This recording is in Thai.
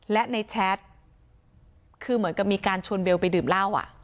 และในแชทคือเหมือนกับมีการชวนเบลไปดื่มเหล้าอ่ะ